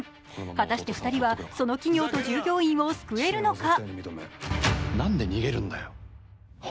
果たして２人はその企業と従業員を救えるのか。